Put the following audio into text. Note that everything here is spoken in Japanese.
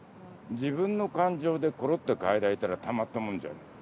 自分の感情でころっと変えられたらたまったもんじゃない。